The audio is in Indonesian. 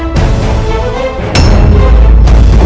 tidak bisa mengenali